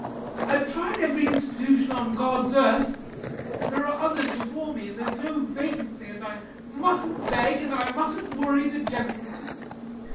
I've tried every Institution on God's earth and there are others before me, and there is no vacancy, and I mustn't beg, and I mustn't worry the gentlemen.